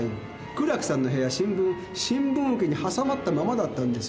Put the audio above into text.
苦楽さんの部屋新聞新聞受けに挟まったままだったんです。